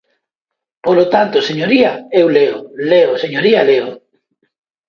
Polo tanto, señoría, eu leo, leo, señoría, leo.